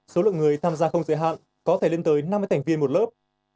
số lượng người tham gia không giới hạn có thể lên tới năm mươi thành viên một lớp